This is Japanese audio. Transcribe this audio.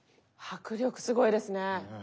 迫力すごいですね。